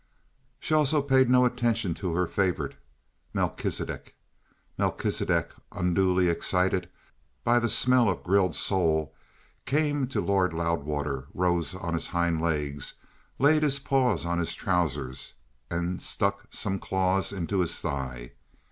She also paid no attention to her favourite, Melchisidec. Melchisidec, unduly excited by the smell of grilled sole, came to Lord Loudwater, rose on his hind legs, laid his paws on his trousers, and stuck some claws into his thigh.